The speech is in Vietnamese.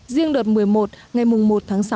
riêng đợt một mươi một ngày một tháng sáu